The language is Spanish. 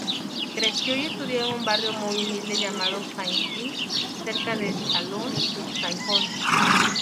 Creció y estudió en un barrio muy humilde llamado Saint-Jean, cerca de Chalon-sur-Saône.